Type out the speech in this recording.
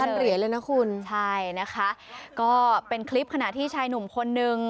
เหรียญเลยนะคุณใช่นะคะก็เป็นคลิปขณะที่ชายหนุ่มคนนึง